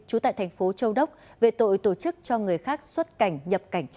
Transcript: trú tại thành phố châu đốc về tội tổ chức cho người dân